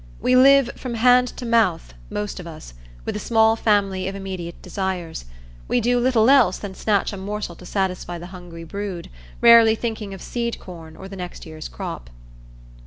We live from hand to mouth, most of us, with a small family of immediate desires; we do little else than snatch a morsel to satisfy the hungry brood, rarely thinking of seed corn or the next year's crop.